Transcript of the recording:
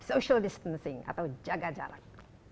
social distancing atau jaga jarak